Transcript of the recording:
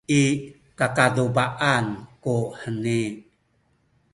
i kakaduba’an kuheni